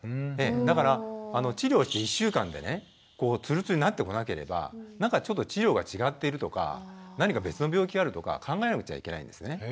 だから治療して１週間でねツルツルになってこなければなんかちょっと治療が違っているとか何か別の病気があるとか考えなくちゃいけないんですね。